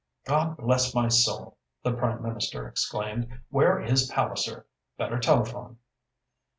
"God bless my soul!" the Prime Minister exclaimed. "Where is Palliser? Better telephone."